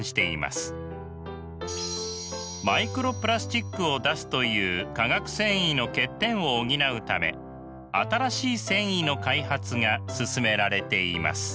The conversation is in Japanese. マイクロプラスチックを出すという化学繊維の欠点を補うため新しい繊維の開発が進められています。